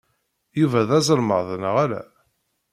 Yuba d azelmaḍ, neɣ ala?